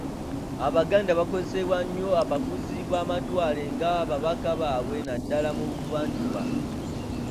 Abaganda baakozesebwa nnyo abafuzi b'amatwale nga ababaka baabwe naddala mu buvanjuba.